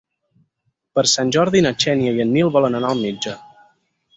Per Sant Jordi na Xènia i en Nil volen anar al metge.